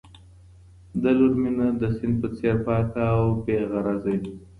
د لور مینه د سیند په څېر پاکه او بې غرضه وي